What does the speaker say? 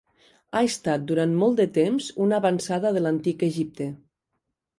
Ha estat durant molt de temps una avançada de l'antic Egipte.